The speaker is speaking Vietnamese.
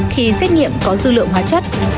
khi xét nghiệm có dư lượng hóa chất